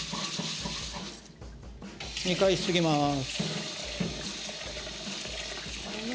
２回すすぎます。